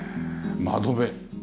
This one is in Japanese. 窓辺。